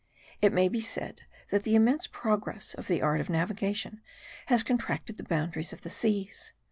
It may be said that the immense progress of the art of navigation has contracted the boundaries of the seas.